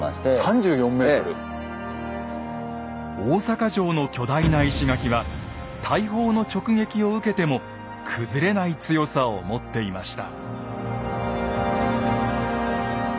大坂城の巨大な石垣は大砲の直撃を受けても崩れない強さを持っていました。